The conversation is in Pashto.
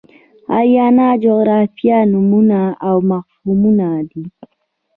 آریانا جغرافیایي نومونه او مفهومونه دي.